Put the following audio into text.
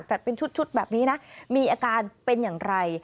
จัดเป็นชุดแบบนี้นะมีอาการเป็นอย่างไร